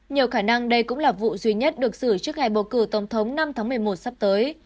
nhiều khả năng đây cũng là vụ duy nhất được xử trước ngày bầu cử tổng thống năm tháng một mươi một sắp tới